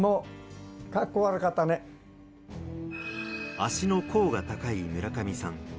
足の甲が高い村上さん。